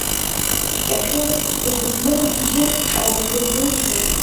Кьахьыр дыдмыргьыжьыр рымуҵәҟьеит.